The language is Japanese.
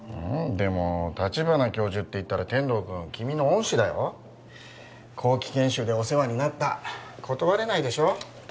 でも立花教授っていったら天堂君君の恩師だよ後期研修でお世話になった断れないでしょう？